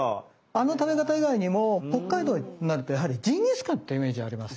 あの食べ方以外にも北海道になるとやはりジンギスカンってイメージありますね。